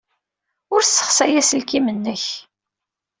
Ur ssexsay aselkim-nnek.